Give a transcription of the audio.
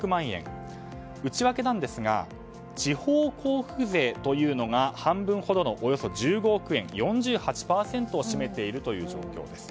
内訳ですが地方交付税というのが半分ほどのおよそ１５億円４８％を占めている状況です。